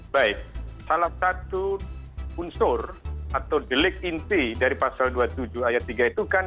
baik salah satu unsur atau delik inti dari pasal dua puluh tujuh ayat tiga itu kan